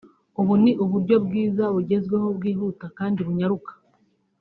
ubu ni uburyo bwiza bugezweho bwihuta kandi bunyaruka